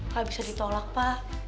gak bisa ditolak pak